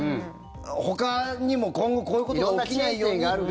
ほかにも、今後こういうことが起きないように。